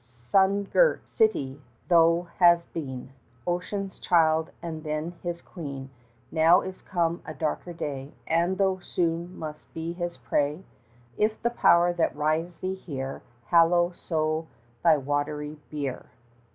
Sun girt City! thou hast been Ocean's child, and then his queen; Now is come a darker day, And thou soon must be his prey, 25 If the power that raised thee here Hallow so thy watery bier.